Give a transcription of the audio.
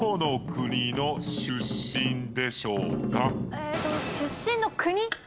えっと出身の国？